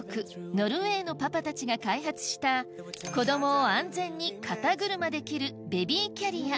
ノルウェーのパパたちが開発した子どもを安全に肩車できるベビーキャリア